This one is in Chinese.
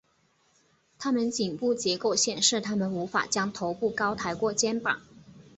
它们颈部结构显示它们无法将头部高抬过肩膀。